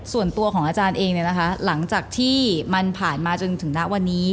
ส่วนตัวของอาจารย์เองเนี่ยนะคะหลังจากที่มันผ่านมาจนถึงณวันนี้